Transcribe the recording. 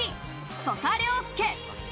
曽田陵介。